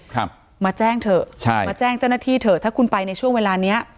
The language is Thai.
ครับมาแจ้งเถอะใช่มาแจ้งเจ้าหน้าที่เถอะถ้าคุณไปในช่วงเวลาเนี้ย